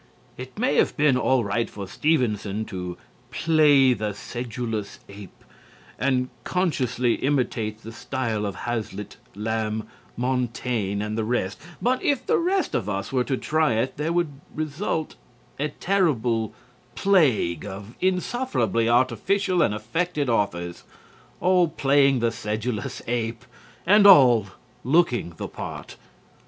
It may have been all right for Stevenson to "play the sedulous ape" and consciously imitate the style of Hazlitt, Lamb, Montaigne and the rest, but if the rest of us were to try it there would result a terrible plague of insufferably artificial and affected authors, all playing the sedulous ape and all looking the part.